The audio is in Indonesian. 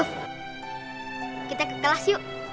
kita ke kelas yuk